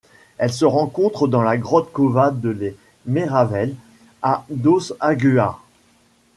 Elle se rencontre dans la grotte Cova de les Meravelles à Dos Aguas.